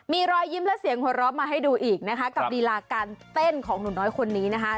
มีรอยยิ้มและเสียงหัวเราะมาให้ดูอีกนะคะกับลีลาการเต้นของหนูน้อยคนนี้นะคะ